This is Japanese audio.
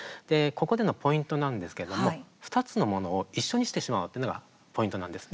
ここでのポイント２つのものを一緒にしてしまうっていうのがポイントなんです。